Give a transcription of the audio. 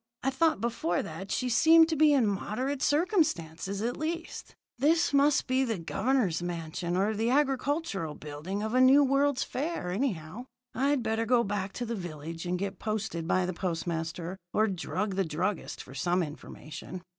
I thought before that she seemed to be in moderate circumstances, at least. This must be the Governor's mansion, or the Agricultural Building of a new World's Fair, anyhow. I'd better go back to the village and get posted by the postmaster, or drug the druggist for some information.